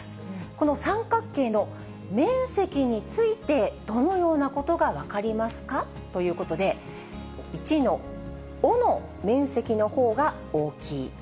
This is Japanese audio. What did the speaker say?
この三角形の面積についてどのようなことが分かりますか？ということで、１のおの面積のほうが大きい。